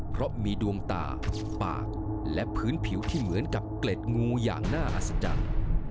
เพราะมีดวงตาปากและพื้นผิวที่เหมือนกับเกล็ดงูอย่างน่าอัศจรรย์